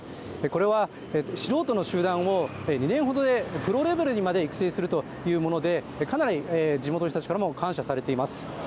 これは素人の集団を２年ほどでプロレベルまで育成するというものでかなり地元の人たちからも感謝されています。